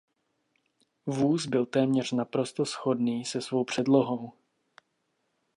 Vůz byl téměř naprosto shodný se svou předlohou.